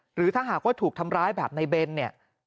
หรือถ้าหากว่าถูกทำร้ายแบบในเบนเนี่ย